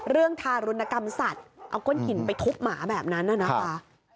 ทารุณกรรมสัตว์เอาก้นหินไปทุบหมาแบบนั้นน่ะนะคะ